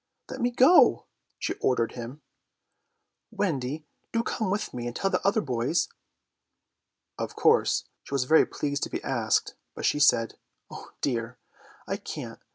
"Let me go!" she ordered him. "Wendy, do come with me and tell the other boys." Of course she was very pleased to be asked, but she said, "Oh dear, I can't.